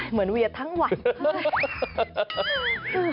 เหมือนเวียทั้งหวัน